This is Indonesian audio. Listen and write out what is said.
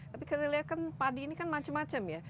tapi kita lihat kan padi ini kan macam macam ya